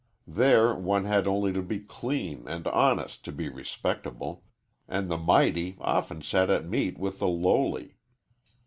There one had only to be clean and honest to be respectable, and the mighty often sat at meat with the lowly.